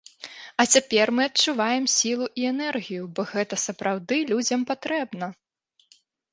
А цяпер мы адчуваем сілу і энергію, бо гэта сапраўды людзям патрэбна.